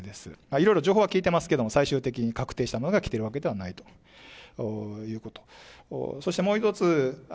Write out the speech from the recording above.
いろいろ情報は聞いてますけれども、最終的に確定したのが来ているわけではないということ。